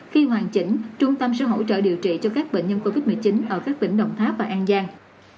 khi hoàn chỉnh trung tâm sẽ hỗ trợ điều trị cho các bệnh nhân covid một mươi chín ở các tỉnh đồng tháp và an giang